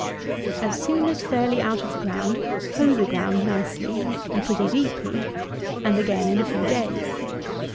As soon as fairly out of ground, hoe the ground nicely, and pretty deeply, and again in a few days.